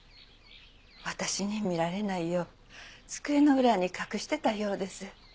私に見られないよう机の裏に隠してたようです。